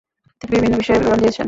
তিনি বিভিন্ন বিষয়ে বিবরণ দিয়েছেন।